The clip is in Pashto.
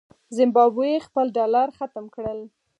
زمبابوې خپل ډالر ختم کړ.